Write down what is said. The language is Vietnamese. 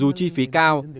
dù chi phí cao